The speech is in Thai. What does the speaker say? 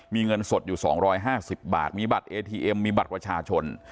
มีเงินสดอยู่๒๕๐บาทมีบัตรเอทีเอ็มมีบัตรประชาชน